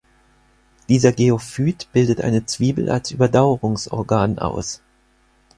Dieser Geophyt bildet eine Zwiebel als Überdauerungsorgan aus.